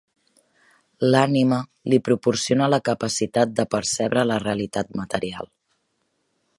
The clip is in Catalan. L'ànima li proporciona la capacitat de percebre la realitat material.